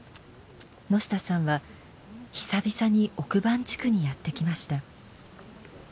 野下さんは久々に奥番地区にやって来ました。